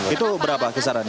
itu berapa kisaran